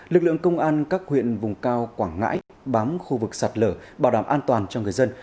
lực lượng công an các huyện vùng cao quảng ngãi bám khu vực sạt lở bảo đảm an toàn cho người dân